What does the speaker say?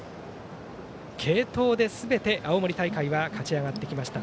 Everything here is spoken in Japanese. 継投ですべて青森大会は勝ち上がってきました。